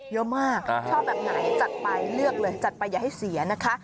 ชอบแบบไหนจัดไปเลือกเลยจัดไปอย่าให้เสียนะคะ